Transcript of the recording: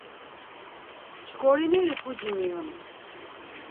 Mşkorineri puci miyonun.